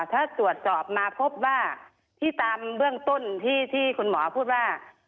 ถ้าตรวจสอบมาพบว่าที่ตามเบื้องต้นที่คุณหมอพูดว่า